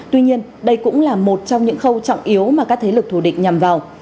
tuy nhiên đây cũng là một trong những khâu trọng yếu mà các thế lực thù địch nhằm vào